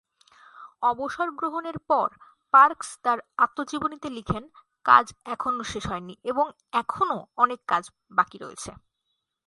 অবসর গ্রহণের পর পার্কস তার আত্মজীবনীতে লিখেন, কাজ এখনো শেষ হয়নি এবং এখনো অনেক কাজ বাকী রয়েছে।